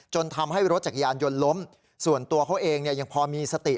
ทำให้รถจักรยานยนต์ล้มส่วนตัวเขาเองเนี่ยยังพอมีสติ